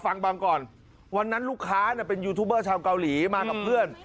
ฟังบังก่อนวันนั้นลูกค้าเนี่ยเป็นชาวเกาหลีมากับเพื่อน